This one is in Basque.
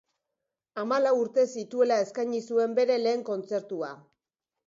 Hamalau urte zituela eskaini zuen bere lehen kontzertua.